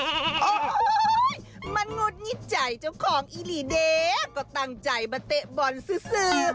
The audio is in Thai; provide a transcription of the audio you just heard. โอ้โฮมนุษย์นิจจัยเจ้าของอีหลีเด๊ก็ตั้งใจมาเตะบอลซื้อ